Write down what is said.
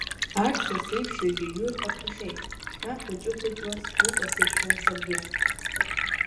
Арҭ са сеиԥш иагьаҩы рҟаҭәахьеит ҳәа, хәыҷы-хәыҷла сгәы касыршәуан саргьы.